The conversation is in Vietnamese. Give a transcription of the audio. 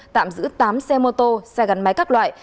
tạm giữ tám xe mô tô xe gắn máy các loại